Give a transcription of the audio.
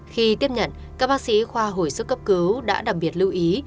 khi tiếp nhận các bác sĩ khoa hồi sức cấp cứu đã đặc biệt lưu ý